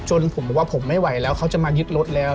ผมบอกว่าผมไม่ไหวแล้วเขาจะมายึดรถแล้ว